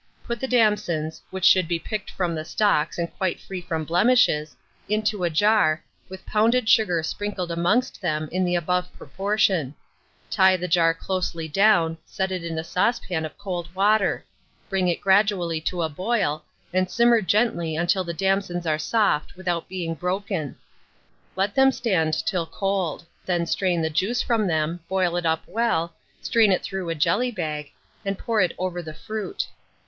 Put the damsons (which should be picked from the stalks and quite free from blemishes) into a jar, with pounded sugar sprinkled amongst them in the above proportion; tie the jar closely down, set it in a saucepan of cold water; bring it gradually to boil, and simmer gently until the damsons are soft, without being broken. Let them stand till cold; then strain the juice from them, boil it up well, strain it through a jelly bag, and pour it over the fruit.